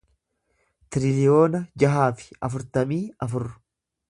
tiriliyoona jaha fi afurtamii afur